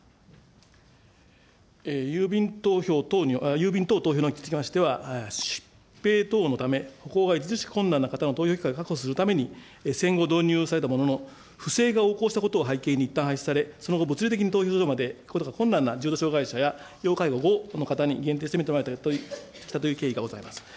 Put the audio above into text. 郵便等投票につきましては、疾病等のため、歩行が困難な方の投票機会を確保するために、戦後導入されたものの、不正が横行したことを背景に、いったん廃止され、その後、物理的に投票所に来ることが困難な重度障害者や、要介護５の方に限定したという経緯がございます。